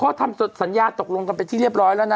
พ่อทำสัญญาตกลงจำกันไปที่เรียบร้อยแล้วนะ